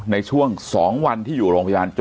ในช่วง๒วันที่อยู่โรงพยาบาล